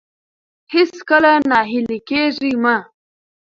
هېڅکله ناهيلي کېږئ مه.